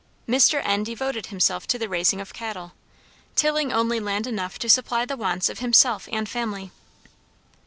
Mr. N. devoted himself to the raising of cattle, tilling only land enough to supply the wants of himself and family.